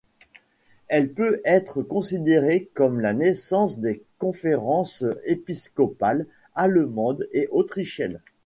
Elle peut être considérée comme la naissance des conférences épiscopales allemande et autrichienne.